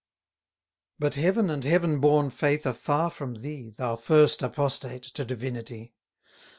But heaven and heaven born faith are far from thee, 150 Thou first apostate to divinity.